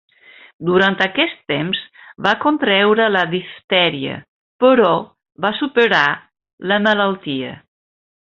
Durant aquest temps va contreure la diftèria, però va superar la malaltia.